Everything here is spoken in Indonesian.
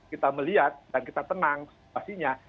kita melihat dan kita tenang situasinya